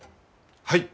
はい！